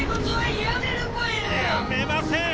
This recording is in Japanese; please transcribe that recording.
やめません！